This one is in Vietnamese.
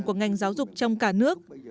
của ngành giáo dục trong cả nước